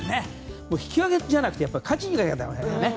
引き分けじゃなくて勝ちにいかなきゃだめだね。